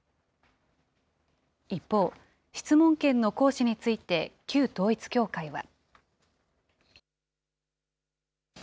一方、質問権の行使について旧統一教会は。